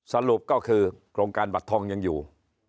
สรุปก็คือโครงการบัตรทองยังอยู่